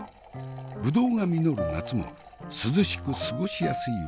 ぶどうが実る夏も涼しく過ごしやすい輪島。